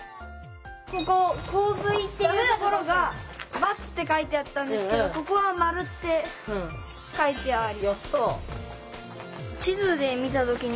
ここ「洪水」っていうところが「×」って書いてあったんですけどここは「○」って書いてある。